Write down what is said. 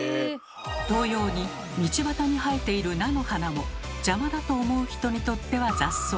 同様に道端に生えている菜の花も邪魔だと思う人にとっては雑草。